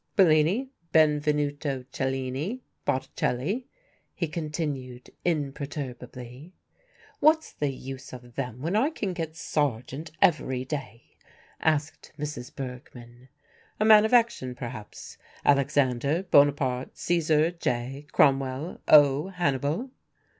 "Bellini, Benvenuto Cellini, Botticelli?" he continued imperturbably. "What's the use of them when I can get Sargent every day?" asked Mrs. Bergmann. "A man of action, perhaps? Alexander, Bonaparte, Caesar, J., Cromwell, O., Hannibal?"